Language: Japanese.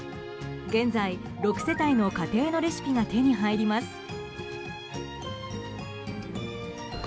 現在、６世帯の家庭のレシピが手に入ります。